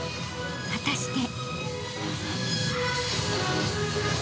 果たして］